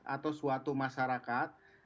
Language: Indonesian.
atau suatu masyarakat